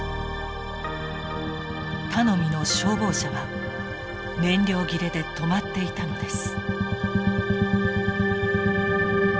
頼みの消防車は燃料切れで止まっていたのです。